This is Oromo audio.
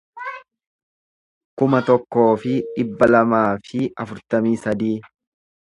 kuma tokkoo fi dhibba lamaa fi afurtamii sadii